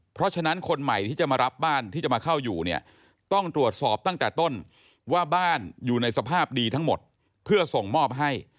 เพราะฉะนั้นคนใหม่ที่จะมารับบ้านที่จะมาเข้าอยู่เนี่ยต้องตรวจสอบตั้งแต่ต้นว่าบ้านอยู่ในสภาพดีทั้งหมดเพื่อส่งมอบให้